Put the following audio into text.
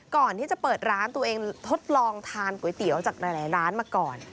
ก่อนที่จะเปิดร้านตัวเองทดลองทานก๋วยเตี๋ยวจากหลายร้านมาก่อน